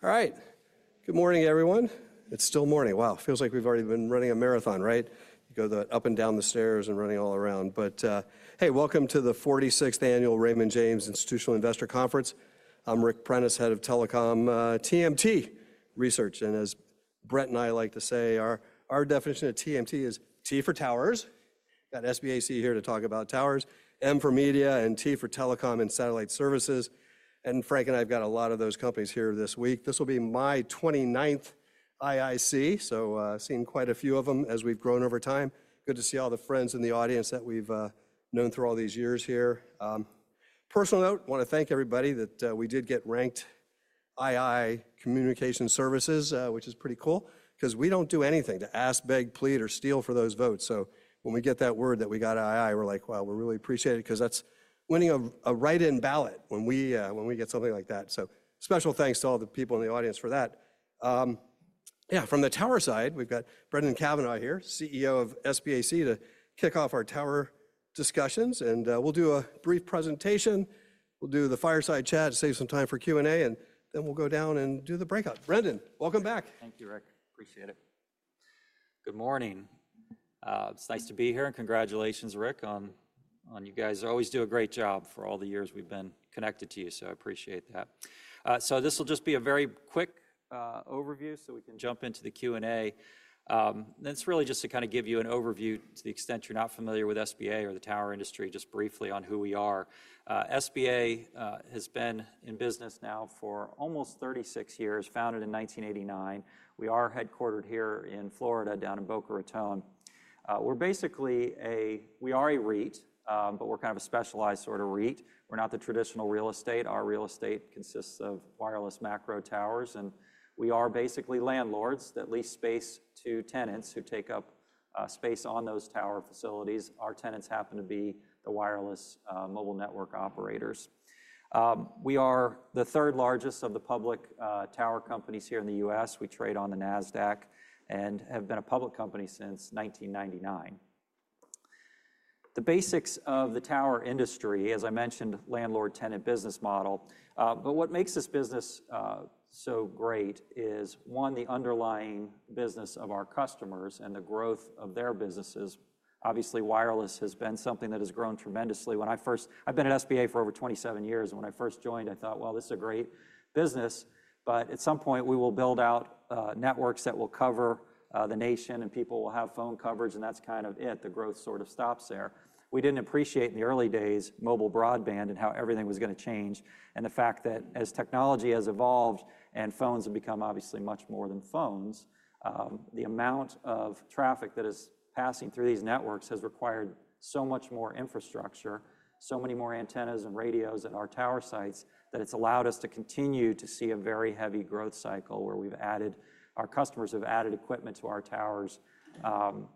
All right. Good morning, everyone. It's still morning. Wow. Feels like we've already been running a marathon, right? You go up and down the stairs and running all around. But, hey, welcome to the 46th Annual Raymond James Institutional Investor Conference. I'm Ric Prentiss, Head of Telecom TMT Research. And as Brett and I like to say, our definition of TMT is T for Towers. Got SBAC here to talk about towers, M for Media, and T for Telecom and Satellite Services. And Frank and I have got a lot of those companies here this week. This will be my 29th IIC, so I've seen quite a few of them as we've grown over time. Good to see all the friends in the audience that we've known through all these years here. Personal note, I want to thank everybody that we did get ranked II Communications Services, which is pretty cool because we don't do anything to ask, beg, plead, or steal for those votes. So when we get that word that we got II, we're like, wow, we really appreciate it because that's winning a write-in ballot when we get something like that. So special thanks to all the people in the audience for that. Yeah. From the tower side, we've got Brendan Cavanagh here, CEO of SBAC, to kick off our tower discussions. And we'll do a brief presentation. We'll do the fireside chat to save some time for Q&A, and then we'll go down and do the breakout. Brendan, welcome back. Thank you, Ric. Appreciate it. Good morning. It's nice to be here, and congratulations, Ric, on you guys always do a great job for all the years we've been connected to you. So I appreciate that. So this will just be a very quick overview so we can jump into the Q&A, and it's really just to kind of give you an overview to the extent you're not familiar with SBA or the tower industry, just briefly on who we are. SBA has been in business now for almost 36 years, founded in 1989. We are headquartered here in Florida, down in Boca Raton. We're basically a REIT, but we're kind of a specialized sort of REIT. We're not the traditional real estate. Our real estate consists of wireless macro towers. And we are basically landlords that lease space to tenants who take up space on those tower facilities. Our tenants happen to be the wireless mobile network operators. We are the third largest of the public tower companies here in the U.S. We trade on the Nasdaq and have been a public company since 1999. The basics of the tower industry, as I mentioned, landlord-tenant business model. But what makes this business so great is, one, the underlying business of our customers and the growth of their businesses. Obviously, wireless has been something that has grown tremendously. I've been at SBA for over 27 years. And when I first joined, I thought, well, this is a great business. But at some point, we will build out networks that will cover the nation, and people will have phone coverage. And that's kind of it. The growth sort of stops there. We didn't appreciate in the early days mobile broadband and how everything was going to change, and the fact that as technology has evolved and phones have become obviously much more than phones, the amount of traffic that is passing through these networks has required so much more infrastructure, so many more antennas and radios at our tower sites that it's allowed us to continue to see a very heavy growth cycle where we've added our customers have added equipment to our towers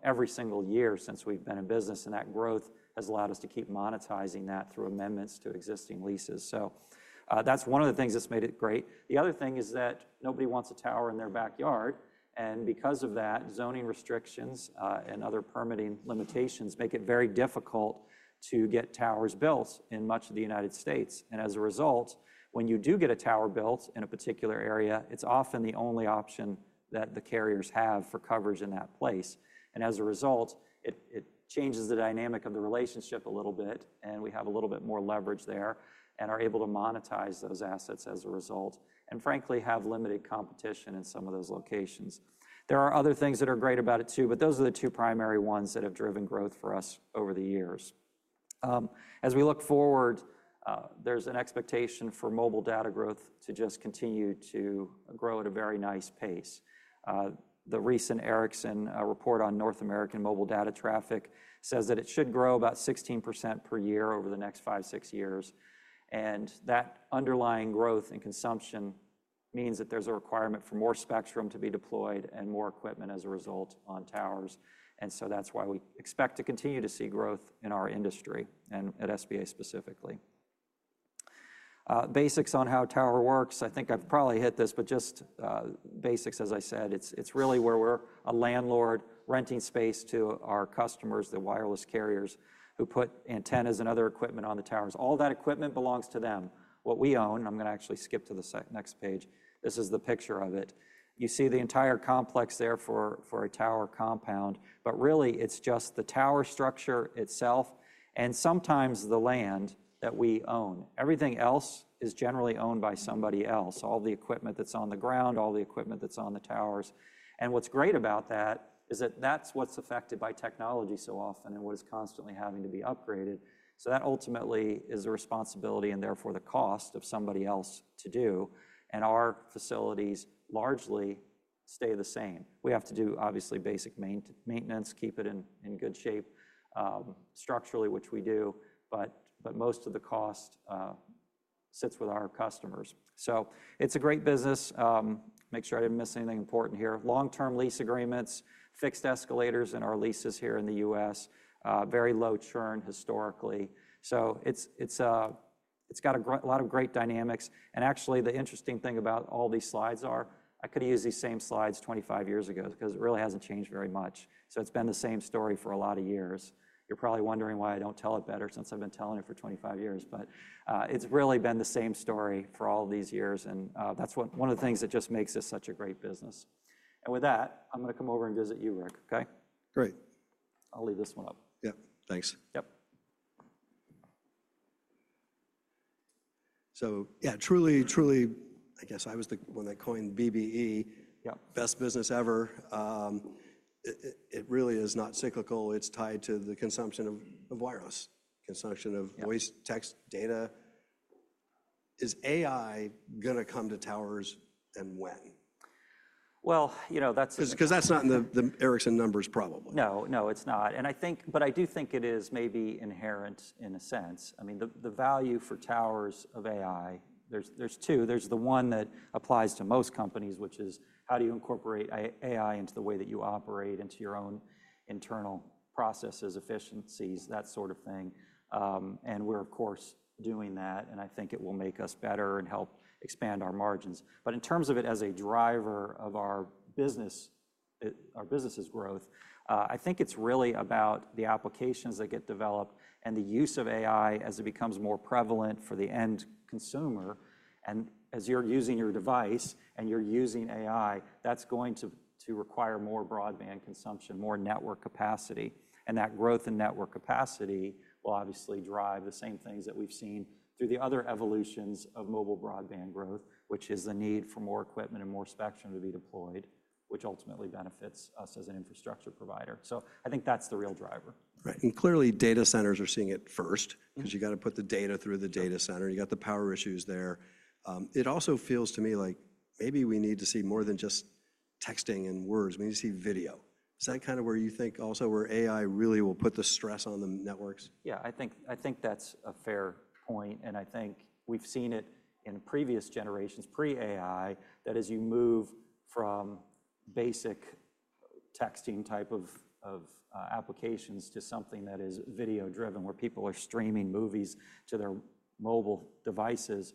every single year since we've been in business, and that growth has allowed us to keep monetizing that through amendments to existing leases, so that's one of the things that's made it great. The other thing is that nobody wants a tower in their backyard. Because of that, zoning restrictions and other permitting limitations make it very difficult to get towers built in much of the United States. As a result, when you do get a tower built in a particular area, it's often the only option that the carriers have for coverage in that place. As a result, it changes the dynamic of the relationship a little bit. We have a little bit more leverage there and are able to monetize those assets as a result and, frankly, have limited competition in some of those locations. There are other things that are great about it, too, but those are the two primary ones that have driven growth for us over the years. As we look forward, there's an expectation for mobile data growth to just continue to grow at a very nice pace. The recent Ericsson report on North American mobile data traffic says that it should grow about 16% per year over the next five, six years. And that underlying growth and consumption means that there's a requirement for more spectrum to be deployed and more equipment as a result on towers. And so that's why we expect to continue to see growth in our industry and at SBA specifically. Basics on how a tower works. I think I've probably hit this, but just basics, as I said, it's really where we're a landlord renting space to our customers, the wireless carriers who put antennas and other equipment on the towers. All that equipment belongs to them, what we own. I'm going to actually skip to the next page. This is the picture of it. You see the entire complex there for a tower compound, but really, it's just the tower structure itself and sometimes the land that we own. Everything else is generally owned by somebody else, all the equipment that's on the ground, all the equipment that's on the towers. And what's great about that is that that's what's affected by technology so often and what is constantly having to be upgraded. So that ultimately is a responsibility and therefore the cost of somebody else to do. And our facilities largely stay the same. We have to do, obviously, basic maintenance, keep it in good shape structurally, which we do, but most of the cost sits with our customers. So it's a great business. Make sure I didn't miss anything important here. Long-term lease agreements, fixed escalators in our leases here in the U.S., very low churn historically. So it's got a lot of great dynamics. And actually, the interesting thing about all these slides is I could have used these same slides 25 years ago because it really hasn't changed very much. So it's been the same story for a lot of years. You're probably wondering why I don't tell it better since I've been telling it for 25 years. But it's really been the same story for all of these years. And that's one of the things that just makes this such a great business. And with that, I'm going to come over and visit you, Ric, OK? Great. I'll leave this one up. Yep. Thanks. Yep. So yeah, truly, truly, I guess I was the one that coined BBE, best business ever. It really is not cyclical. It's tied to the consumption of wireless, consumption of voice, text, data. Is AI going to come to towers and when? You know. Because that's not in the Ericsson numbers, probably. No, no, it's not, and I think, but I do think it is maybe inherent in a sense. I mean, the value for towers of AI, there's two. There's the one that applies to most companies, which is how do you incorporate AI into the way that you operate, into your own internal processes, efficiencies, that sort of thing, and we're, of course, doing that, and I think it will make us better and help expand our margins, but in terms of it as a driver of our business's growth, I think it's really about the applications that get developed and the use of AI as it becomes more prevalent for the end consumer, and as you're using your device and you're using AI, that's going to require more broadband consumption, more network capacity. That growth in network capacity will obviously drive the same things that we've seen through the other evolutions of mobile broadband growth, which is the need for more equipment and more spectrum to be deployed, which ultimately benefits us as an infrastructure provider. I think that's the real driver. Right. And clearly, data centers are seeing it first because you've got to put the data through the data center. You've got the power issues there. It also feels to me like maybe we need to see more than just texting and words. We need to see video. Is that kind of where you think also where AI really will put the stress on the networks? Yeah, I think that's a fair point. And I think we've seen it in previous generations, pre-AI, that as you move from basic texting type of applications to something that is video driven, where people are streaming movies to their mobile devices,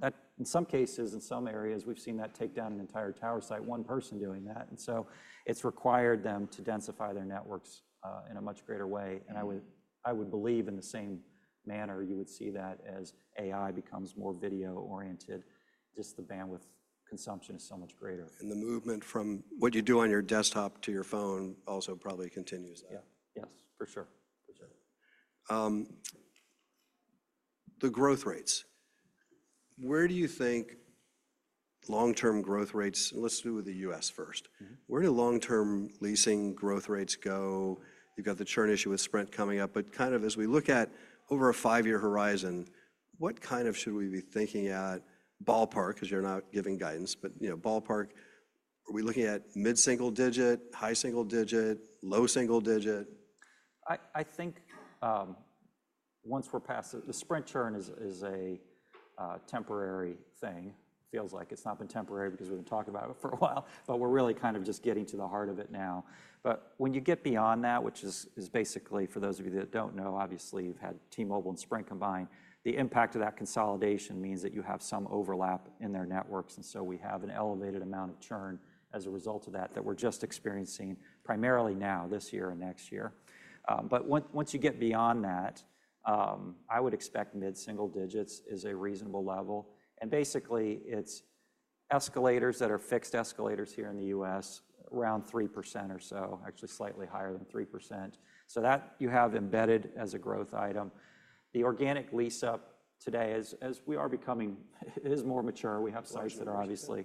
that in some cases, in some areas, we've seen that take down an entire tower site, one person doing that. And so it's required them to densify their networks in a much greater way. And I would believe in the same manner you would see that as AI becomes more video oriented, just the bandwidth consumption is so much greater. The movement from what you do on your desktop to your phone also probably continues that. Yeah. Yes, for sure. For sure. The growth rates, where do you think long-term growth rates? Let's do with the U.S. first. Where do long-term leasing growth rates go? You've got the churn issue with Sprint coming up. But kind of as we look at over a five-year horizon, what kind of should we be thinking at ballpark because you're not giving guidance, but ballpark, are we looking at mid-single digit, high-single digit, low-single digit? I think once we're past the Sprint churn, it's a temporary thing. It feels like it's not been temporary because we've been talking about it for a while. But we're really kind of just getting to the heart of it now. But when you get beyond that, which is basically for those of you that don't know, obviously, you've had T-Mobile and Sprint combined, the impact of that consolidation means that you have some overlap in their networks. And so we have an elevated amount of churn as a result of that that we're just experiencing primarily now, this year and next year. But once you get beyond that, I would expect mid-single digits is a reasonable level. And basically, it's escalators that are fixed escalators here in the U.S., around 3% or so, actually slightly higher than 3%. So that you have embedded as a growth item. The organic lease-up today, as we are becoming more mature, we have sites that are obviously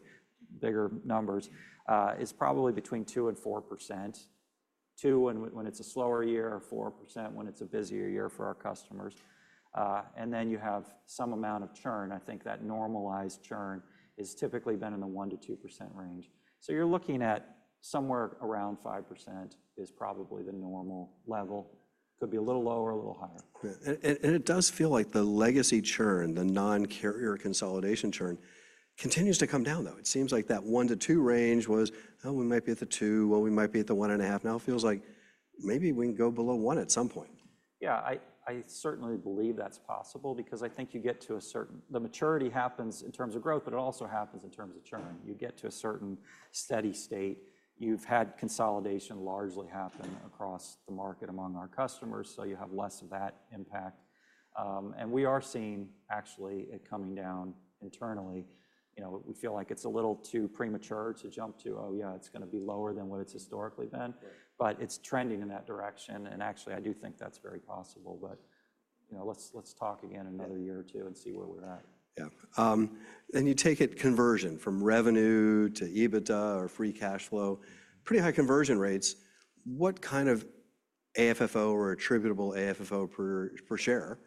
bigger numbers, is probably between 2% and 4%. 2% when it's a slower year, 4% when it's a busier year for our customers, and then you have some amount of churn. I think that normalized churn has typically been in the 1%-2% range, so you're looking at somewhere around 5% is probably the normal level. Could be a little lower, a little higher. It does feel like the legacy churn, the non-carrier consolidation churn continues to come down, though. It seems like that 1%-2% range was, oh, we might be at the 2%, well, we might be at the 1.5%. Now it feels like maybe we can go below 1% at some point. Yeah, I certainly believe that's possible because I think you get to a certain maturity happens in terms of growth, but it also happens in terms of churn. You get to a certain steady state. You've had consolidation largely happen across the market among our customers, so you have less of that impact. We are seeing actually it coming down internally. We feel like it's a little too premature to jump to, oh, yeah, it's going to be lower than what it's historically been. It's trending in that direction. Actually, I do think that's very possible. Let's talk again another year or two and see where we're at. Yeah, and you take the conversion from revenue to EBITDA or free cash flow. Pretty high conversion rates. What kind of AFFO or attributable AFFO per share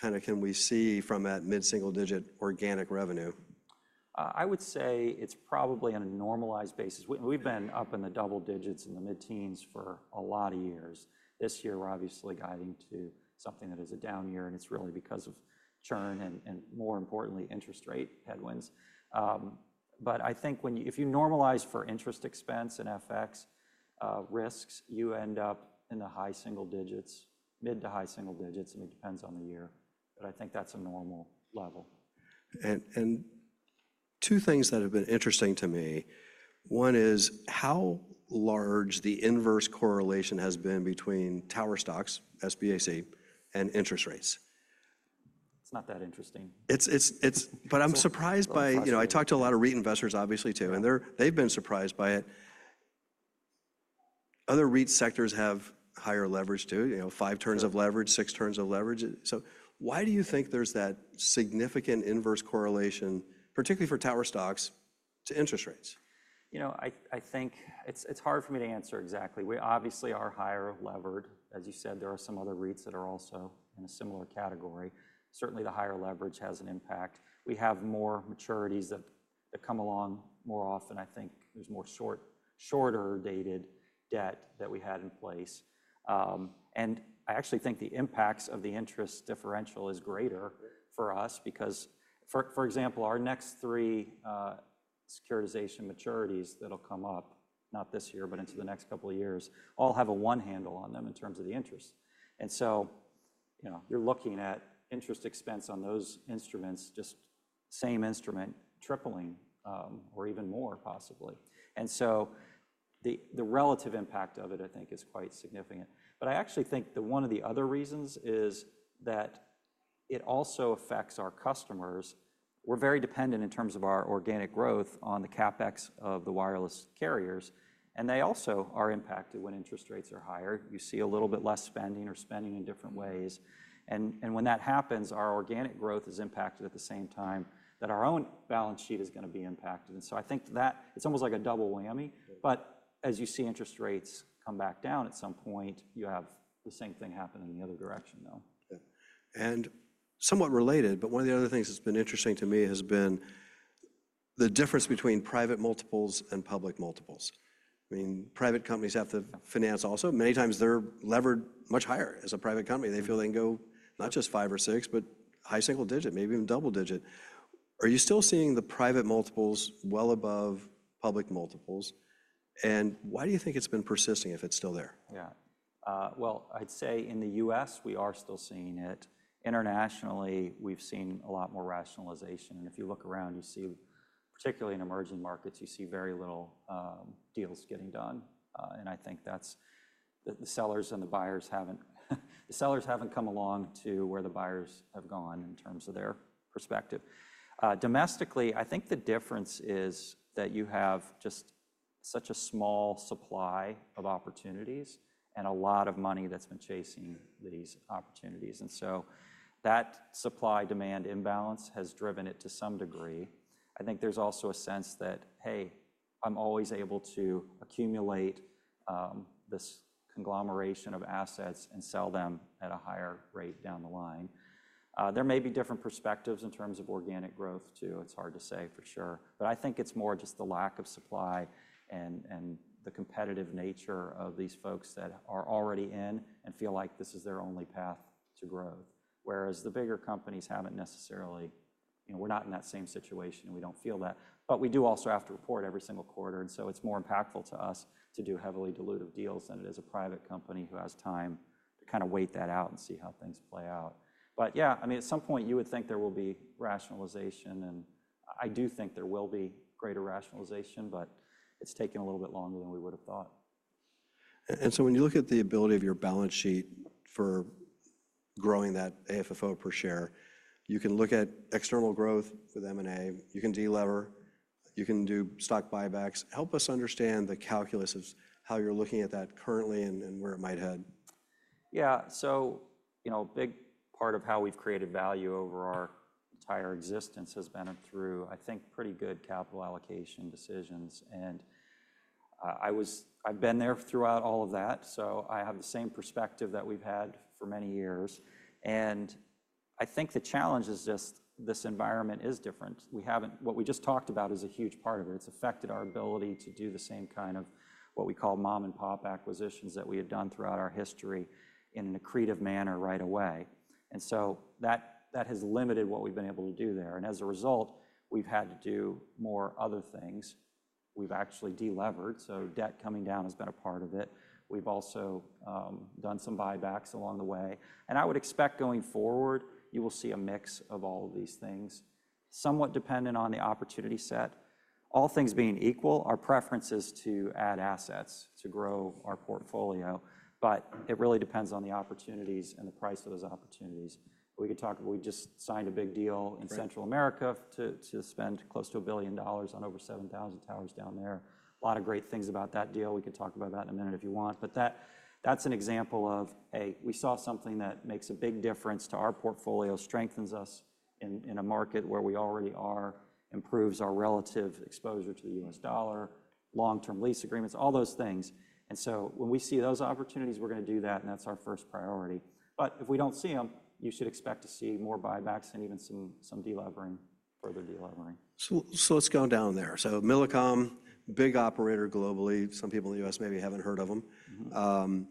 kind of can we see from that mid-single digit organic revenue? I would say it's probably on a normalized basis. We've been up in the double digits in the mid-teens for a lot of years. This year, we're obviously guiding to something that is a down year, and it's really because of churn and, more importantly, interest rate headwinds, but I think if you normalize for interest expense and FX risks, you end up in the high-single digits, mid to high-single digits, and it depends on the year, but I think that's a normal level. And two things that have been interesting to me. One is how large the inverse correlation has been between tower stocks, SBAC, and interest rates. It's not that interesting. But I'm surprised. I talked to a lot of REIT investors, obviously, too. And they've been surprised by it. Other REIT sectors have higher leverage, too, five turns of leverage, six turns of leverage. So why do you think there's that significant inverse correlation, particularly for tower stocks, to interest rates? You know, I think it's hard for me to answer exactly. We obviously are higher levered. As you said, there are some other REITs that are also in a similar category. Certainly, the higher leverage has an impact. We have more maturities that come along more often. I think there's more shorter dated debt that we had in place. And I actually think the impacts of the interest differential is greater for us because, for example, our next three securitization maturities that'll come up, not this year, but into the next couple of years, all have a one handle on them in terms of the interest. And so you're looking at interest expense on those instruments, just same instrument, tripling or even more, possibly. And so the relative impact of it, I think, is quite significant. But I actually think one of the other reasons is that it also affects our customers. We're very dependent in terms of our organic growth on the CapEx of the wireless carriers. And they also are impacted when interest rates are higher. You see a little bit less spending or spending in different ways. And when that happens, our organic growth is impacted at the same time that our own balance sheet is going to be impacted. And so I think that it's almost like a double whammy. But as you see interest rates come back down at some point, you have the same thing happen in the other direction, though. And somewhat related, but one of the other things that's been interesting to me has been the difference between private multiples and public multiples. I mean, private companies have to finance also. Many times they're levered much higher as a private company. They feel they can go not just five or six, but high single digit, maybe even double digit. Are you still seeing the private multiples well above public multiples? And why do you think it's been persisting if it's still there? Yeah, well, I'd say in the U.S., we are still seeing it. Internationally, we've seen a lot more rationalization. And if you look around, you see, particularly in emerging markets, you see very little deals getting done. And I think that's the sellers haven't come along to where the buyers have gone in terms of their perspective. Domestically, I think the difference is that you have just such a small supply of opportunities and a lot of money that's been chasing these opportunities. And so that supply-demand imbalance has driven it to some degree. I think there's also a sense that, hey, I'm always able to accumulate this conglomeration of assets and sell them at a higher rate down the line. There may be different perspectives in terms of organic growth, too. It's hard to say for sure. But I think it's more just the lack of supply and the competitive nature of these folks that are already in and feel like this is their only path to growth. Whereas the bigger companies haven't necessarily. We're not in that same situation. We don't feel that. But we do also have to report every single quarter. And so it's more impactful to us to do heavily diluted deals than it is a private company who has time to kind of wait that out and see how things play out. But yeah, I mean, at some point, you would think there will be rationalization. And I do think there will be greater rationalization. But it's taken a little bit longer than we would have thought. And so when you look at the ability of your balance sheet for growing that AFFO per share, you can look at external growth with M&A. You can de-lever. You can do stock buybacks. Help us understand the calculus of how you're looking at that currently and where it might head? Yeah, so a big part of how we've created value over our entire existence has been through, I think, pretty good capital allocation decisions, and I've been there throughout all of that, so I have the same perspective that we've had for many years, and I think the challenge is just this environment is different. What we just talked about is a huge part of it. It's affected our ability to do the same kind of what we call mom-and-pop acquisitions that we had done throughout our history in an accretive manner right away, and so that has limited what we've been able to do there, and as a result, we've had to do more other things. We've actually de-levered, so debt coming down has been a part of it. We've also done some buybacks along the way. I would expect going forward, you will see a mix of all of these things, somewhat dependent on the opportunity set. All things being equal, our preference is to add assets to grow our portfolio. But it really depends on the opportunities and the price of those opportunities. We could talk about we just signed a big deal in Central America to spend close to $1 billion on over 7,000 towers down there. A lot of great things about that deal. We could talk about that in a minute if you want. But that's an example of, hey, we saw something that makes a big difference to our portfolio, strengthens us in a market where we already are, improves our relative exposure to the U.S. dollar, long-term lease agreements, all those things. And so when we see those opportunities, we're going to do that. That's our first priority. If we don't see them, you should expect to see more buybacks and even some further de-levering. Let's go down there. Millicom, big operator globally. Some people in the U.S. maybe haven't heard of them.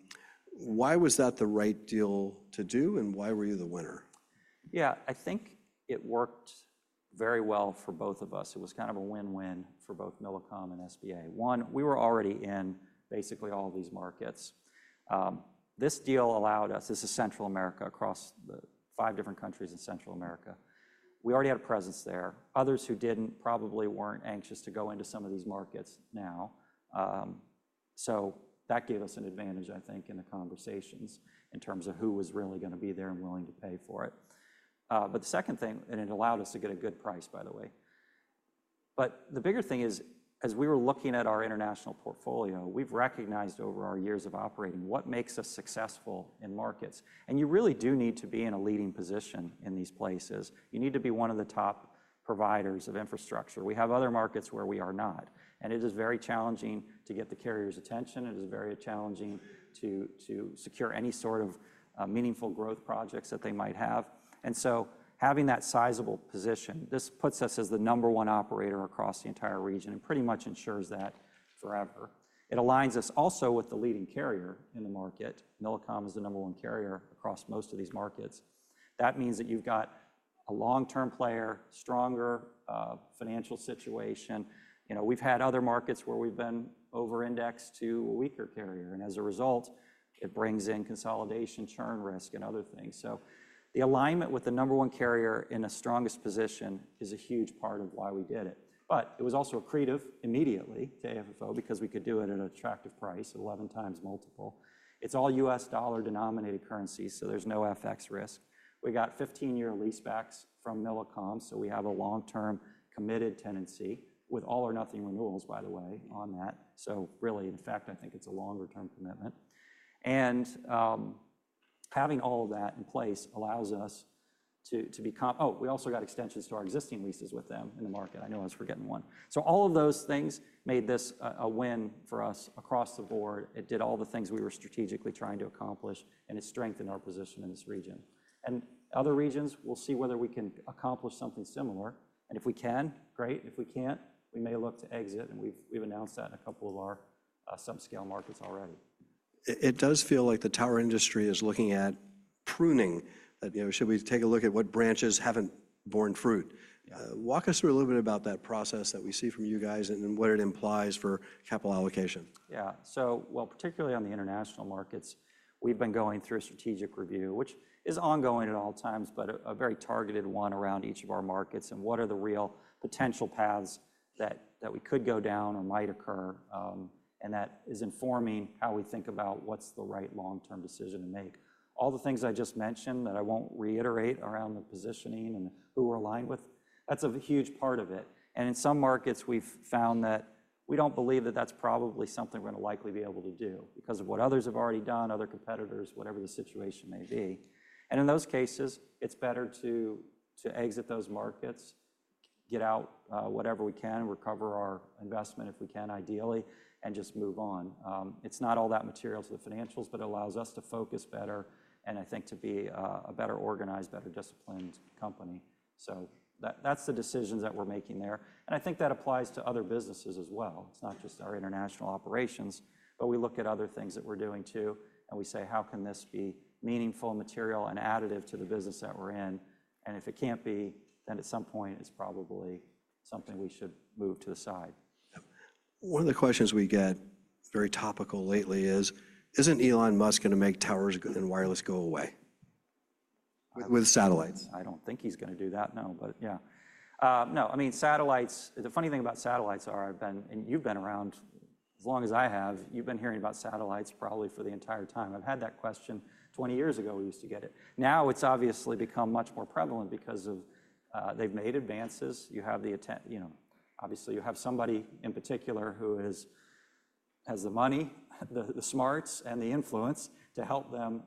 Why was that the right deal to do and why were you the winner? Yeah, I think it worked very well for both of us. It was kind of a win-win for both Millicom and SBA. One, we were already in basically all these markets. This deal allowed us. This is Central America across the five different countries in Central America. We already had a presence there. Others who didn't probably weren't anxious to go into some of these markets now. So that gave us an advantage, I think, in the conversations in terms of who was really going to be there and willing to pay for it. But the second thing, and it allowed us to get a good price, by the way. But the bigger thing is, as we were looking at our international portfolio, we've recognized over our years of operating what makes us successful in markets, and you really do need to be in a leading position in these places. You need to be one of the top providers of infrastructure. We have other markets where we are not. And it is very challenging to get the carrier's attention. It is very challenging to secure any sort of meaningful growth projects that they might have. And so having that sizable position, this puts us as the number one operator across the entire region and pretty much ensures that forever. It aligns us also with the leading carrier in the market. Millicom is the number one carrier across most of these markets. That means that you've got a long-term player, stronger financial situation. We've had other markets where we've been over-indexed to a weaker carrier. And as a result, it brings in consolidation, churn risk, and other things. So the alignment with the number one carrier in the strongest position is a huge part of why we did it. But it was also accretive immediately to AFFO because we could do it at an attractive price, an 11 times multiple. It's all U.S. dollar-denominated currency, so there's no FX risk. We got 15-year leasebacks from Millicom. So we have a long-term committed tenancy with all-or-nothing renewals, by the way, on that. So really, in fact, I think it's a longer-term commitment. And having all of that in place allows us to be. Oh, we also got extensions to our existing leases with them in the market. I know I was forgetting one. So all of those things made this a win for us across the board. It did all the things we were strategically trying to accomplish. And it strengthened our position in this region. And other regions, we'll see whether we can accomplish something similar. And if we can, great. If we can't, we may look to exit. We've announced that in a couple of our subscale markets already. It does feel like the tower industry is looking at pruning. Should we take a look at what branches haven't borne fruit? Walk us through a little bit about that process that we see from you guys and what it implies for capital allocation. Yeah. So well, particularly on the international markets, we've been going through a strategic review, which is ongoing at all times, but a very targeted one around each of our markets and what are the real potential paths that we could go down or might occur. And that is informing how we think about what's the right long-term decision to make. All the things I just mentioned that I won't reiterate around the positioning and who we're aligned with, that's a huge part of it. And in some markets, we've found that we don't believe that that's probably something we're going to likely be able to do because of what others have already done, other competitors, whatever the situation may be. And in those cases, it's better to exit those markets, get out whatever we can, recover our investment if we can, ideally, and just move on. It's not all that material to the financials, but it allows us to focus better and, I think, to be a better organized, better disciplined company. So that's the decisions that we're making there. And I think that applies to other businesses as well. It's not just our international operations. But we look at other things that we're doing, too. And we say, how can this be meaningful, material, and additive to the business that we're in? And if it can't be, then at some point, it's probably something we should move to the side. One of the questions we get, very topical lately, is, isn't Elon Musk going to make towers and wireless go away with satellites? I don't think he's going to do that, no. But yeah, no, I mean, satellites, the funny thing about satellites are, and you've been around as long as I have, you've been hearing about satellites probably for the entire time. I've had that question 20 years ago. We used to get it. Now it's obviously become much more prevalent because they've made advances. You have the, obviously, you have somebody in particular who has the money, the smarts, and the influence to help them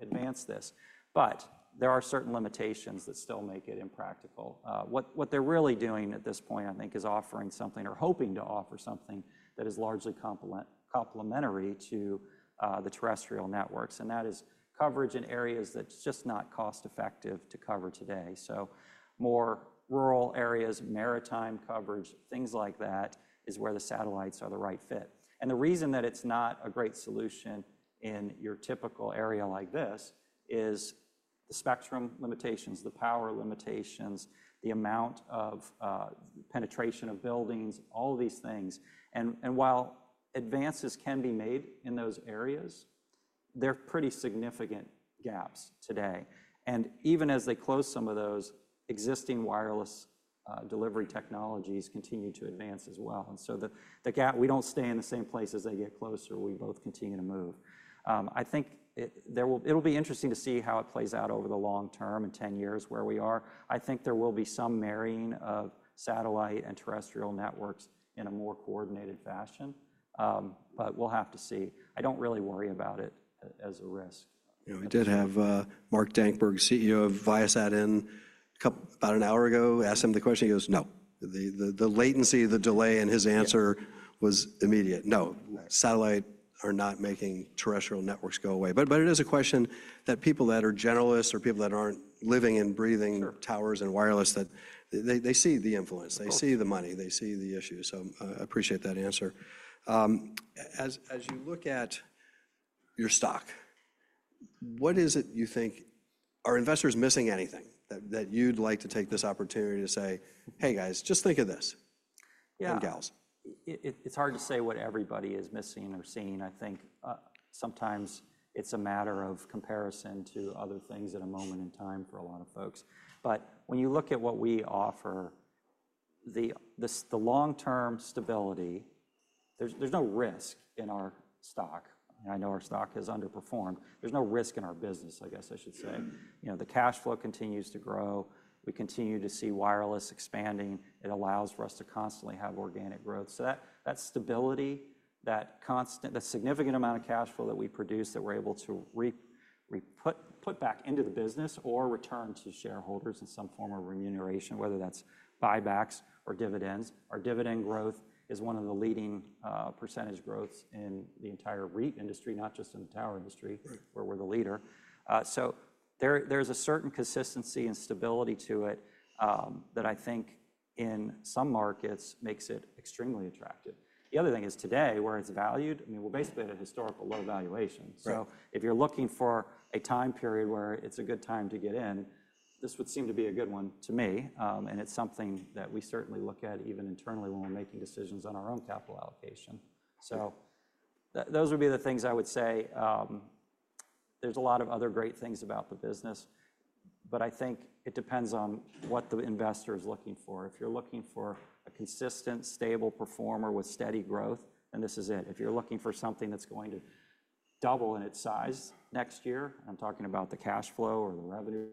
advance this. But there are certain limitations that still make it impractical. What they're really doing at this point, I think, is offering something or hoping to offer something that is largely complementary to the terrestrial networks, and that is coverage in areas that's just not cost-effective to cover today. More rural areas, maritime coverage, things like that is where the satellites are the right fit. And the reason that it's not a great solution in your typical area like this is the spectrum limitations, the power limitations, the amount of penetration of buildings, all of these things. And while advances can be made in those areas, they're pretty significant gaps today. And even as they close, some of those existing wireless delivery technologies continue to advance as well. And so the gap, we don't stay in the same place as they get closer. We both continue to move. I think it'll be interesting to see how it plays out over the long term and 10 years where we are. I think there will be some marrying of satellite and terrestrial networks in a more coordinated fashion. But we'll have to see. I don't really worry about it as a risk. We did have Mark Dankberg, CEO of Viasat, Inc., about an hour ago. Asked him the question. He goes, "No." The latency, the delay in his answer was immediate. "No, satellites are not making terrestrial networks go away." But it is a question that people that are generalists or people that aren't living and breathing towers and wireless, that they see the influence. They see the money. They see the issue. So I appreciate that answer. As you look at your stock, what is it you think are investors missing anything that you'd like to take this opportunity to say, "Hey, guys, just think of this and gals"? It's hard to say what everybody is missing or seeing. I think sometimes it's a matter of comparison to other things at a moment in time for a lot of folks. But when you look at what we offer, the long-term stability, there's no risk in our stock. I know our stock has underperformed. There's no risk in our business, I guess I should say. The cash flow continues to grow. We continue to see wireless expanding. It allows for us to constantly have organic growth. So that stability, that significant amount of cash flow that we produce that we're able to put back into the business or return to shareholders in some form of remuneration, whether that's buybacks or dividends. Our dividend growth is one of the leading percentage growths in the entire REIT industry, not just in the tower industry, where we're the leader. So there's a certain consistency and stability to it that I think in some markets makes it extremely attractive. The other thing is today, where it's valued, I mean, we're basically at a historical low valuation. So if you're looking for a time period where it's a good time to get in, this would seem to be a good one to me. And it's something that we certainly look at even internally when we're making decisions on our own capital allocation. So those would be the things I would say. There's a lot of other great things about the business. But I think it depends on what the investor is looking for. If you're looking for a consistent, stable performer with steady growth, then this is it. If you're looking for something that's going to double in its size next year, I'm talking about the cash flow or the revenue.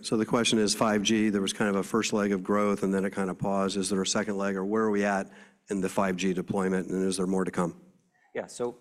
So, the question is 5G. There was kind of a first leg of growth, and then it kind of paused. Is there a second leg, or where are we at in the 5G deployment, and is there more to come? Yeah. So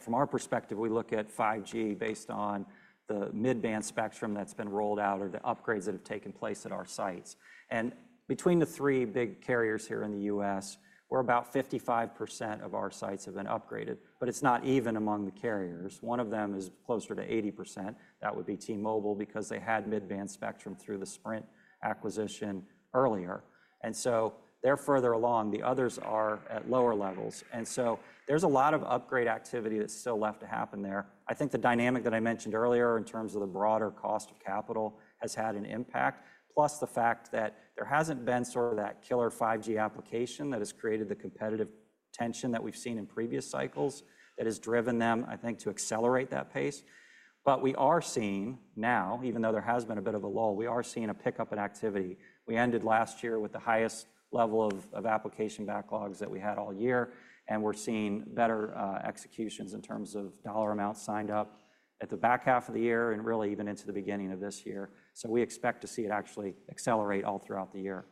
from our perspective, we look at 5G based on the mid-band spectrum that's been rolled out or the upgrades that have taken place at our sites. And between the three big carriers here in the U.S., we're about 55% of our sites have been upgraded. But it's not even among the carriers. One of them is closer to 80%. That would be T-Mobile because they had mid-band spectrum through the Sprint acquisition earlier. And so they're further along. The others are at lower levels. And so there's a lot of upgrade activity that's still left to happen there. I think the dynamic that I mentioned earlier in terms of the broader cost of capital has had an impact, plus the fact that there hasn't been sort of that killer 5G application that has created the competitive tension that we've seen in previous cycles that has driven them, I think, to accelerate that pace, but we are seeing now, even though there has been a bit of a lull, we are seeing a pickup in activity. We ended last year with the highest level of application backlogs that we had all year, and we're seeing better executions in terms of dollar amounts signed up at the back half of the year and really even into the beginning of this year, so we expect to see it actually accelerate all throughout the year.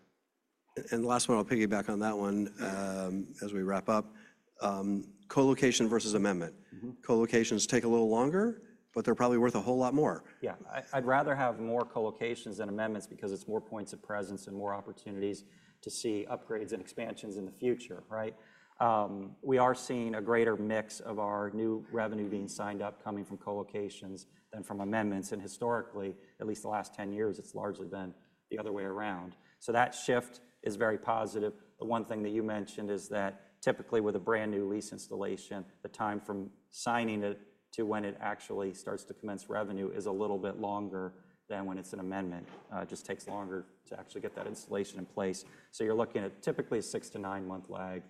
The last one, I'll piggyback on that one as we wrap up. Colocation versus amendment. Colocations take a little longer, but they're probably worth a whole lot more. Yeah. I'd rather have more colocations than amendments because it's more points of presence and more opportunities to see upgrades and expansions in the future, right? We are seeing a greater mix of our new revenue being signed up coming from colocations than from amendments. And historically, at least the last 10 years, it's largely been the other way around. So that shift is very positive. The one thing that you mentioned is that typically with a brand new lease installation, the time from signing it to when it actually starts to commence revenue is a little bit longer than when it's an amendment. It just takes longer to actually get that installation in place. So you're looking at typically a six- to nine-month lag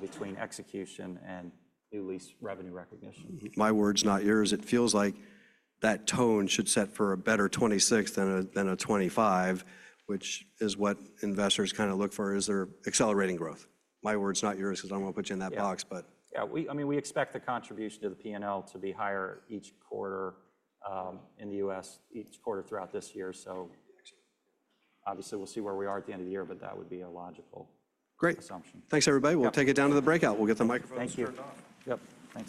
between execution and new lease revenue recognition. My words, not yours. It feels like that tone should set for a better 2026 than a 2025, which is what investors kind of look for. Is there accelerating growth? My words, not yours, because I don't want to put you in that box. Yeah. I mean, we expect the contribution to the P&L to be higher each quarter in the U.S., each quarter throughout this year. So obviously, we'll see where we are at the end of the year, but that would be a logical assumption. Great. Thanks, everybody. We'll take it down to the breakout. We'll get the microphones. Thank you. Yep. Thanks for.